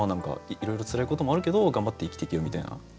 「いろいろつらいこともあるけど頑張って生きていけよ」みたいな。